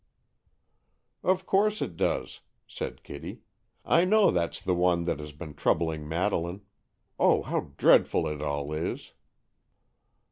"Of course it does," said Kitty. "I know that's the one that has been troubling Madeleine. Oh, how dreadful it all is!"